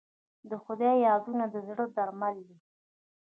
د خدای یاد د زړه درمل دی.